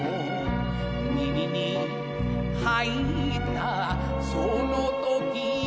「耳に入ったその時は」